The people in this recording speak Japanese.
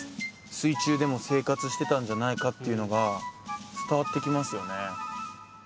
水中でも生活してたんじゃないかっていうのが伝わってきますよね